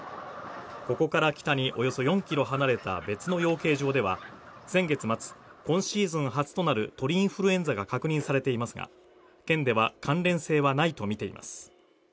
ここから北におよそ４キロ離れた別の養鶏場では先月末今シーズン初となる鳥インフルエンザが確認されていますが県では関連性はないと見ています